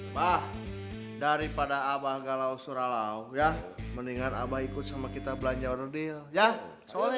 mbak daripada abah galau suralau ya mendingan abah ikut sama kita belanja ono deal ya soalnya